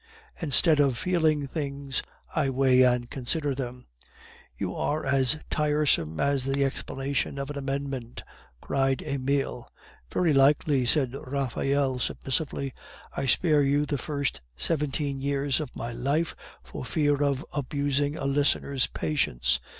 Instead of feeling things, I weigh and consider them " "You are as tiresome as the explanation of an amendment," cried Emile. "Very likely," said Raphael submissively. "I spare you the first seventeen years of my life for fear of abusing a listener's patience.